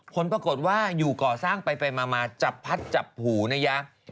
ผลปรากฏว่าอยู่ก่อสร้างไปมาจับพัดจับหูนะยะ